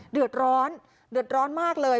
เดือดร้อนเดือดร้อนมากเลย